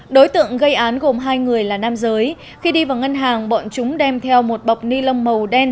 đối tượng gây án gồm hai người là nam giới khi đi vào ngân hàng bọn chúng đem theo một bọc ni lông màu đen